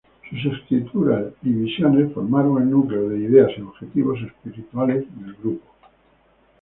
Sus escrituras y visiones formaron el núcleo de ideas y objetivos espirituales del grupo.